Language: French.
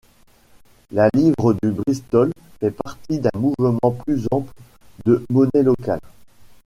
La livre de Bristol fait partie d'un mouvement plus ample de monnaies locales.